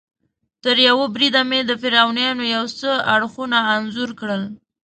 تریوه بریده مې د فرعونیانو یو څه اړخونه انځور کړل.